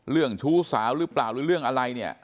ชู้สาวหรือเปล่าหรือเรื่องอะไรเนี่ย